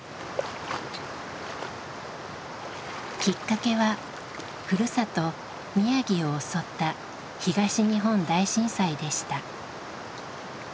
きっかけはふるさと宮城を襲った東日本大震災でした。